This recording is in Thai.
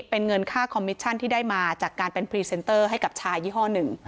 เป็นเงินค่าคอมมิชชั่นที่ได้มาจากการเป็นพรีเซนเตอร์ให้กับชายยี่ห้อหนึ่ง